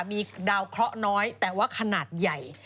มีดาวเคราะห์น้อยแต่ว่าขนาดใหญ่